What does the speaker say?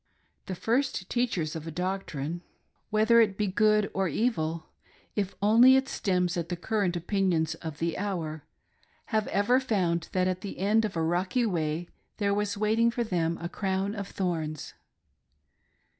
The first teachers of a doctrine, whether it be I20 WAITING FOR PROVIDENCE. good or evil, if only it stems the current opinions of the hour, have ever found that at the end of a rocky way there was waiting for them a crown of thorns.